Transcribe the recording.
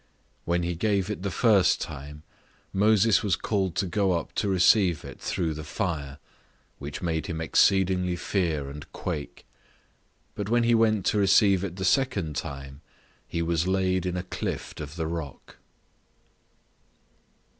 When he gave it the first time, Moses was called to go up to receive it through the fire, which made him exceedingly fear and quake: but when he went to receive it the second time, he was laid in a clift of the rock.